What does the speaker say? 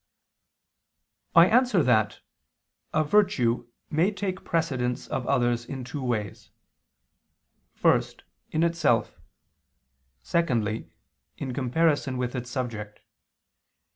I answer that, A virtue may take precedence of others in two ways: first, in itself; secondly, in comparison with its subject.